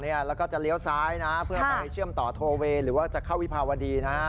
แล้วก็จะเลี้ยวซ้ายนะเพื่อไปเชื่อมต่อโทเวย์หรือว่าจะเข้าวิภาวดีนะ